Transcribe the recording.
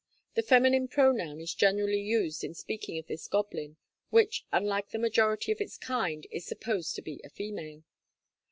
The feminine pronoun is generally used in speaking of this goblin, which unlike the majority of its kind, is supposed to be a female.